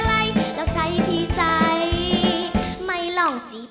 แล้วใส่พี่ใส่ไม่มาเอาใจ